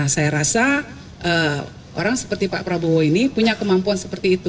saya rasa orang seperti pak prabowo ini punya kemampuan seperti itu